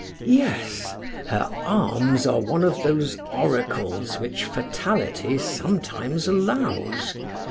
Yes, her arms are one of those oracles which fatality sometimes allows.